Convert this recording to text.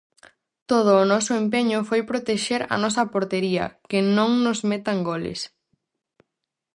Todo o noso empeño foi protexer a nosa portería, que non nos metan goles.